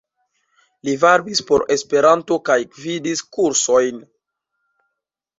Li varbis por Esperanto kaj gvidis kursojn.